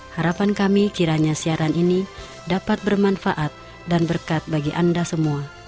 harapan kami kiranya siaran ini dapat bermanfaat dan berkat bagi anda semua